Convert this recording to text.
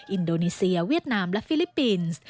อินโดนีเซียเวียดนามและฟิลิปปินส์